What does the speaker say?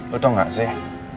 lo tau gak sih